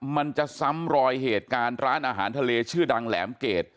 มันจะซ้ำรอยเหตุการณ์ร้านอาหารทะเลชื่อดังแหลมเกรด